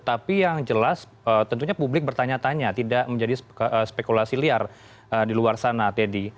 tapi yang jelas tentunya publik bertanya tanya tidak menjadi spekulasi liar di luar sana teddy